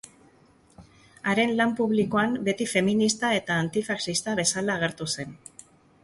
Haren lan publikoan beti feminista eta antifaxista bezala agertu zen.